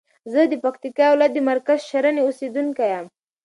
زه د پکتیکا ولایت د مرکز شرنی اوسیدونکی یم.